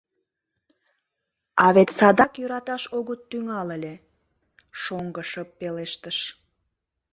— А вет садак йӧраташ огыт тӱҥал ыле, — шоҥго шып пелештыш.